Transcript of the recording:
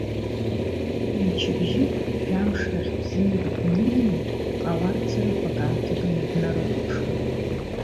Мчыбжьык, жәамш рахьтә знык днеины, ҟауар цырақәак ааҭыганы днарыхәаԥшуан.